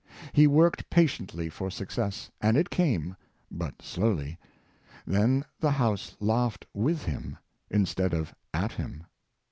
He worked patiently for success; and it came, but slowly; then the House laughed with him, instead of at him.